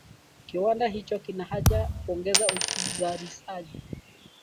Kiwanda hicho kina haja ya kuongeza uzalishaji